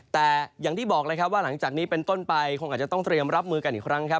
แต่อย่างที่บอกเลยครับว่าหลังจากนี้เป็นต้นไปคงอาจจะต้องเตรียมรับมือกันอีกครั้งครับ